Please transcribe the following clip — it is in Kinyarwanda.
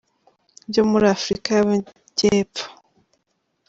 byo muri Afurika y’Amajyepfo.